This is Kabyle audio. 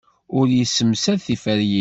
Ur yessemsad tiferyin.